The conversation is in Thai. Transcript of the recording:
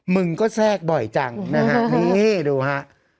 มึงก็แทรกบ่อยจังนะฮะนี่ดูฮะ